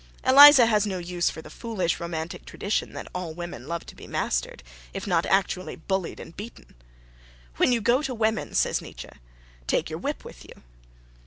Eliza has no use for the foolish romantic tradition that all women love to be mastered, if not actually bullied and beaten. "When you go to women," says Nietzsche, "take your whip with you."